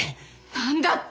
何だって！